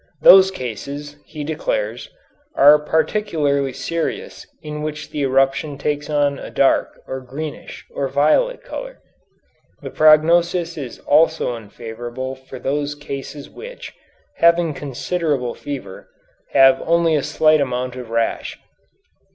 Those cases, he declares, are particularly serious in which the eruption takes on a dark, or greenish, or violet color. The prognosis is also unfavorable for those cases which, having considerable fever, have only a slight amount of rash.